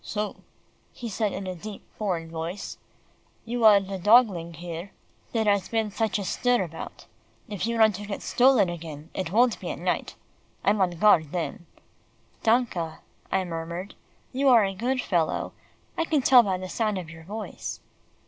"So," he said in a deep foreign voice, "you are the dogling there has been such a stir about. If you want to get stolen again, it won't be at night. I'm on guard then." "Danke," I murmured, "you are a good fellow; I can tell by the sound of your voice."